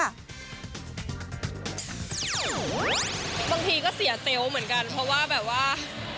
บางทีก็เสียเซลล์เหมือนกันเพราะว่าแบบว่า